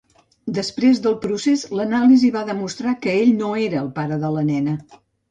Després del procés, l'anàlisi va demostrar que ell no era el pare de la nena.